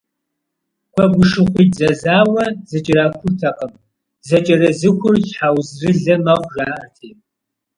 Гуэгушыхъуитӏ зэзауэ зэкӏэрахуртэкъым, зэкӏэрызыхур щхьэузрилэ мэхъу, жаӏэрти.